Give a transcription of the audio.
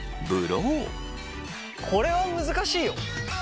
これは難しいよ。